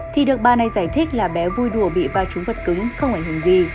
thì được bà này giải thích là bé vui đùa bị vai trúng vật cứng không ảnh hưởng gì